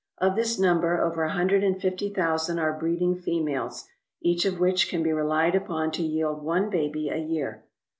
Of this number over a hundred and fifty thousand are breeding females, each of which can be relied upon to yield one baby a year.